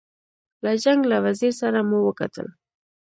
له جنګ له وزیر سره مو وکتل.